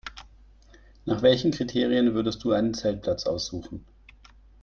Nach welchen Kriterien würdest du einen Zeltplatz aussuchen?